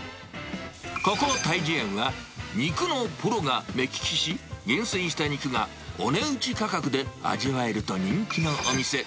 ここ、たいじゅえんは、肉のプロが目利きし、厳選した肉がお値打ち価格で味わえると人気のお店。